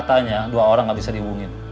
katanya dua orang nggak bisa dihubungin